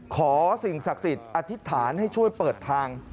ขอสิ่งศักดิ์สิทธิ์อธิษฐานให้ช่วยเปิดทาง